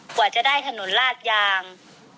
กว่าจะได้ถนนลาดยาง